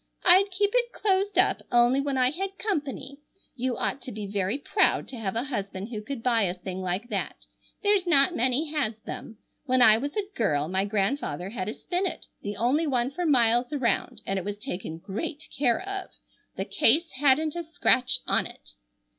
I'd keep it closed up only when I had company. You ought to be very proud to have a husband who could buy a thing like that. There's not many has them. When I was a girl my grandfather had a spinet, the only one for miles around, and it was taken great care of. The case hadn't a scratch on it."